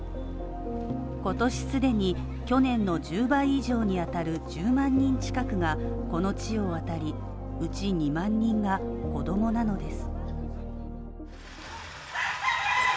今年既に去年の１０倍以上にあたる１０万人近くがこの地を渡りうち２万人が子供なのです。